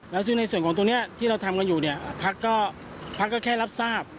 แล้วซึ่งในส่วนของตรงนี้ที่เราทำกันอยู่เนี่ยพักก็แค่รับทราบ